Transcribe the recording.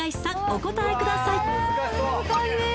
お答えください